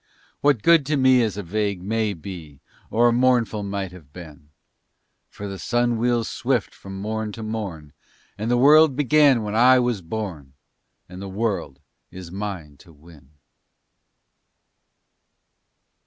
What good to me is a vague "may be" Or a mournful "might have been," For the sun wheels swift from morn to morn And the world began when I was born And the world is mine to win.